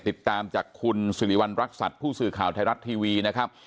ติดตามจากคุณสิริวัณรักษัตริย์ผู้สื่อข่าวไทยรัฐทีวีนะครับ